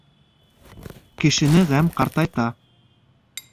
Кешене ғәм ҡартайта.